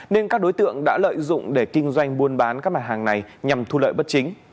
nên các đối tượng đã lợi dụng để kinh doanh buôn bán các mặt hàng này nhằm thu lợi bất chính